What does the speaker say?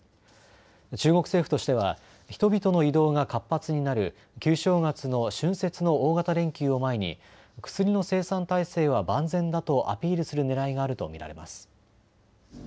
中国政府としては人々の移動が活発になる旧正月の春節の大型連休を前に薬の生産体制は万全だとアピールするねらいがあると見られます。